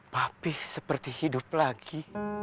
papih seperti hidup lagi